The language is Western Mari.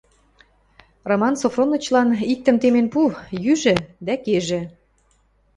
— Роман Софронычлан иктӹм темен пу, йӱжӹ дӓ кежӹ.